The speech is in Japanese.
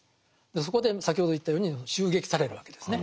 そこで先ほど言ったように襲撃されるわけですね。